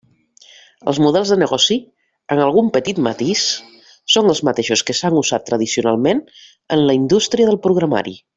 Els models de negoci, amb algun petit matís, són els mateixos que s'han usat tradicionalment en la indústria del programari.